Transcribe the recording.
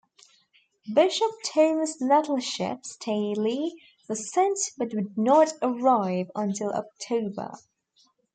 Bishop Thomas Nettleship Staley was sent but would not arrive until October.